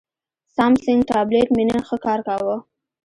سامسنګ ټابلیټ مې نن ښه کار کاوه.